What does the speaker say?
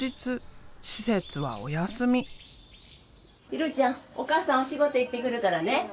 ひろちゃんお母さんお仕事行ってくるからね。